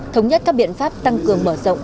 thống nhất các biện pháp tăng cường mở rộng